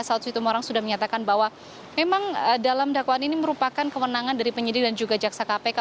saud situmorang sudah menyatakan bahwa memang dalam dakwaan ini merupakan kewenangan dari penyidik dan juga jaksa kpk